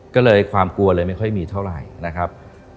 ก็เลยความกลัวเลยไม่ค่อยมีเท่าไหร่นะครับ